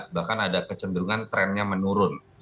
bahkan ada kecenderungan trennya menurun